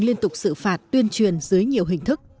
liên tục xử phạt tuyên truyền dưới nhiều hình thức